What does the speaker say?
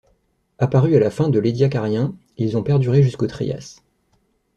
Apparus à la fin de l'Édiacarien, ils ont perduré jusqu'au Trias.